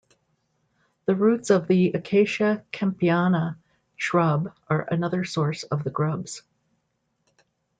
The roots of the "Acacia kempeana" shrub are another source of the grubs.